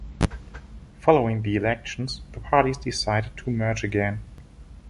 Following the elections the parties decided to merge again.